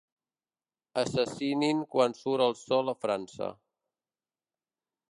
Assassinin quan surt el sol a França.